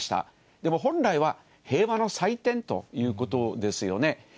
でも本来は、平和の祭典ということですよね。